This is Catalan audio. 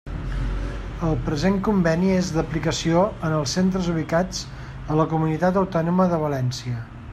El present conveni és d'aplicació en els centres ubicats a la Comunitat Autònoma de València.